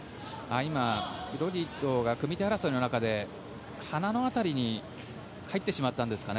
ビロディッドが組み手争いの中で鼻の辺りに入ってしまったんですかね。